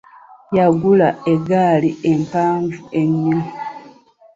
Yagula egaali empanvu ennyo.